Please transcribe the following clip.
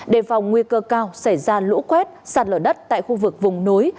đề phòng nguy cơ cao xảy ra lũ quét sạt lở đất tại khu vực vùng núi